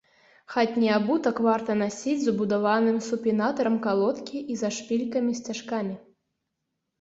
Хатні абутак варта насіць з убудаваным супінатарам калодкі і зашпількамі-сцяжкамі.